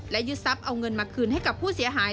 ยึดทรัพย์เอาเงินมาคืนให้กับผู้เสียหาย